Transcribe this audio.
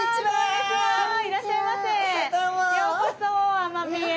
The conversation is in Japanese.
ようこそ奄美へ。